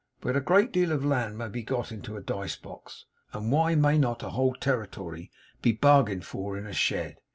But a great deal of land may be got into a dice box, and why may not a whole territory be bargained for in a shed?